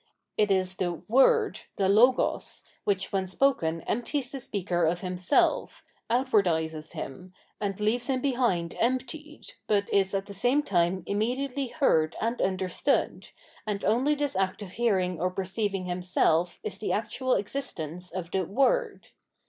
It is the " Word," the Logos, which when spoken empties the speaker of himself, outwardises him, and leaves him behind emptied, but is at the same time unmediately heard and under stood, and only this act of heariag or perceiving himself is the actual existence of the " Word."